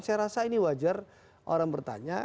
saya rasa ini wajar orang bertanya